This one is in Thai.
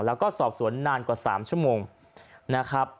แล้วก็สอบสวนนานกว่า๓ชั่วโมงนะครับ